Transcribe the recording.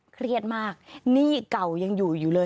เครียดมากหนี้เก่ายังอยู่อยู่เลย